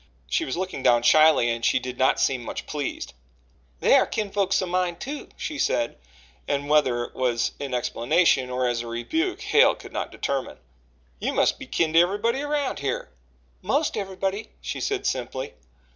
She was looking down shyly and she did not seem much pleased. "They are kinfolks o' mine, too," she said, and whether it was in explanation or as a rebuke, Hale could not determine. "You must be kin to everybody around here?" "Most everybody," she said simply.